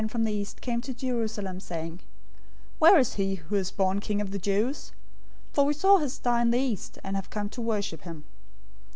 } from the east came to Jerusalem, saying, 002:002 "Where is he who is born King of the Jews? For we saw his star in the east, and have come to worship him."